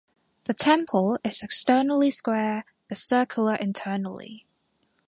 The temple is externally square but circular internally.